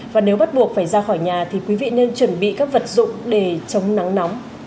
và nếu bắt buộc phải ra khỏi nhà thì quý vị nên chuẩn bị các vật dụng để chống nắng nóng